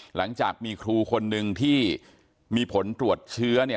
หลังจากมีครูคนนึงที่มีผลตรวจเชื้อเนี่ย